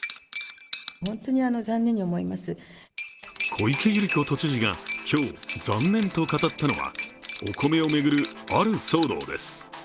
小池百合子都知事が、今日残念と語ったのはお米を巡る、ある騒動です。